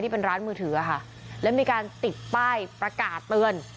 เป็นร้านมือถือค่ะแล้วมีการติดป้ายประกาศเตือน